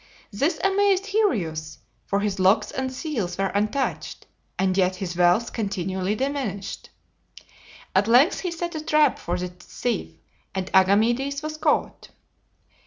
This amazed Hyrieus, for his locks and seals were untouched, and yet his wealth continually diminished. At length he set a trap for the thief and Agamedes was caught.